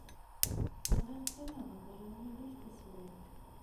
Bɣiɣ kan ad hedreɣ yid-k taswiɛt.